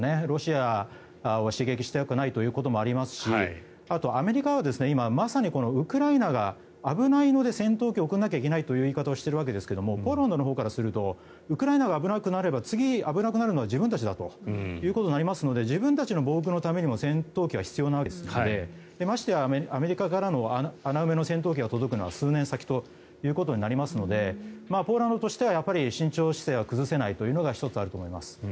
ロシアを刺激したくないということもありますしあとはアメリカは今まさにウクライナが危ないので戦闘機を送らなきゃいけないという言い方をしているんですがポーランドのほうからするとウクライナが危なくなれば次、危なくなるのは自分たちだということになりますので自分たちの防空のためにも戦闘機は必要なわけですので、ましてやアメリカからの穴埋めの戦闘機が届くのは数年先ということになりますのでポーランドとしてはやはり慎重姿勢は崩せないというのが１つあると思います。